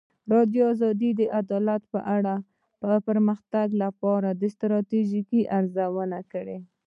ازادي راډیو د عدالت په اړه د پرمختګ لپاره د ستراتیژۍ ارزونه کړې.